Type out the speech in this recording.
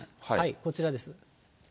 こちらです。